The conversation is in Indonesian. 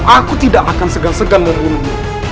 aku tidak akan segan segan merindu